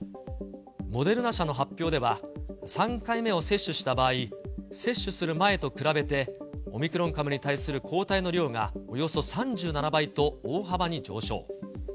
モデルナ社の発表では、３回目を接種した場合、接種する前と比べてオミクロン株に対する抗体の量がおよそ３７倍と大幅に上昇。